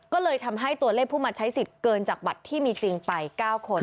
ก็เลยทำให้ตัวเลขผู้มาใช้สิทธิ์เกินจากบัตรที่มีจริงไป๙คน